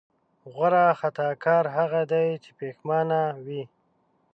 غوره خطاکار هغه دی چې پښېمانه وي.